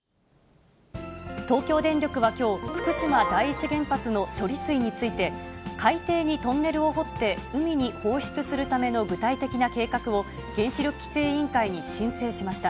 東京電力はきょう、福島第一原発の処理水について、海底にトンネルを掘って海に放出するための具体的な計画を、原子力規制委員会に申請しました。